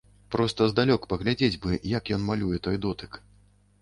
Проста здалёк паглядзець бы, як ён малюе той дотык.